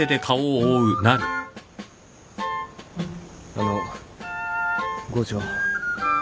あの郷長。